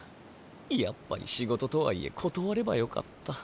やっぱり仕事とはいえことわればよかった。